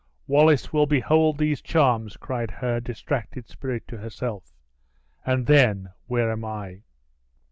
"Wallace will behold these charms!" cried her distracted spirit to herself, "and then, where am I?"